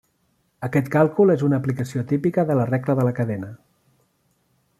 Aquest càlcul és una aplicació típica de la regla de la cadena.